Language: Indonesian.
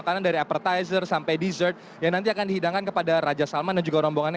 makanan dari appetizer sampai dessert yang nanti akan dihidangkan kepada raja salman dan juga rombongannya